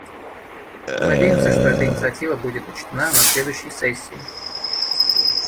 Мы надеемся, что эта инициатива будет учтена на следующей сессии.